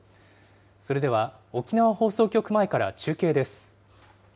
それでは沖縄放送局前から中継です。